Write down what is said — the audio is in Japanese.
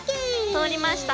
通りました。